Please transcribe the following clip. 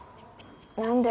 何で？